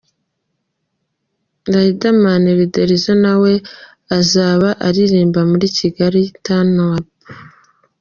Riderman Riderzo nawe azaba aririmba muri Kigali Turn Up.